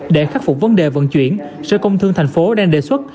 để khắc phục vấn đề vận chuyển sở công thương thành phố đang đề xuất